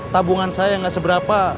tabungan saya gak seberapa